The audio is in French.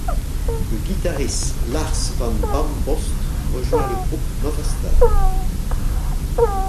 Le guitariste Lars Van Bambost rejoint le groupe Novastar.